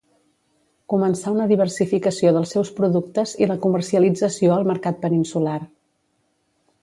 Començà una diversificació dels seus productes i la comercialització al mercat peninsular.